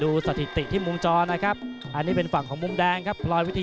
ดูสถิติที่มุมจอนะครับ